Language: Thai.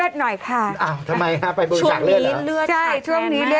โอเคโอเคโอเค